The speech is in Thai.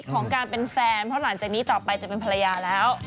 ของการเป็นแฟนเพราะหลังจากนี้ต่อไปจะเป็นภรรยาแล้ว